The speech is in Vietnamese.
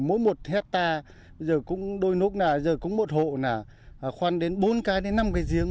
mỗi một hectare giờ cũng đôi nút nè giờ cũng một hộ nè khoan đến bốn cái đến năm cái giếng